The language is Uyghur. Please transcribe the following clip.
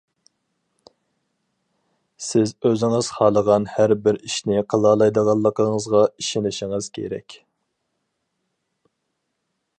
سىز ئۆزىڭىز خالىغان ھەر بىر ئىشنى قىلالايدىغانلىقىڭىزغا ئىشىنىشىڭىز كېرەك.